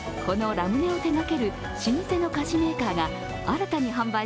このラムネを手がける老舗の菓子メーカーが